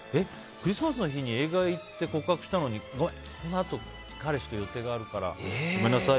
クリスマスの日に映画行って告白したのにごめん、このあと彼氏と予定があるからごめんなさい。